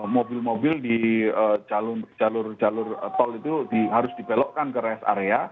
mobil mobil di jalur jalur tol itu harus dibelokkan ke rest area